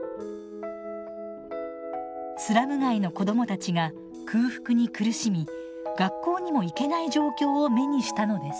スラム街の子どもたちが空腹に苦しみ学校にも行けない状況を目にしたのです。